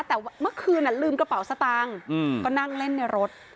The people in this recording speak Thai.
แต่เมื่อคืนลืมกระเป๋าสตางค์ก็นั่งเล่นในรถ